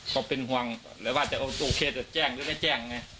ผมเป็นห่วงหรือว่าจะโอเคจะแจ้งหรือไม่แจ้งไง